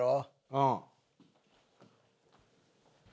うん。